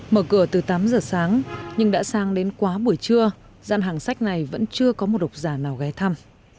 mở cửa từ tám giờ sáng nhưng đã sang đến quá buổi trưa gian hàng sách này vẫn chưa có một độc giả nào ghé thăm